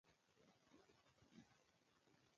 فیزیولوژي د بدن فعالیت مطالعه کوي